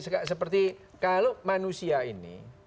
kalau manusia ini